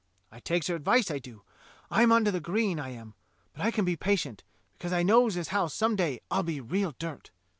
I takes her advice, I do; I'm under the green, I am, but I can be patient, because I knows as how some day I'll be real dirt.